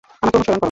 আমাকে অনুসরণ করো।